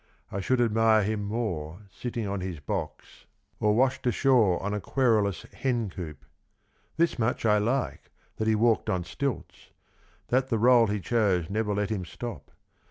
I should admire him more, sittins^ on his box, 34 or washed ashore on a querulous hencoop. This much I like, that he walked on stilts, that the role he chose never let him stop.